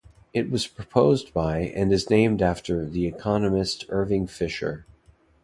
It was proposed by-and is named after-the economist Irving Fisher.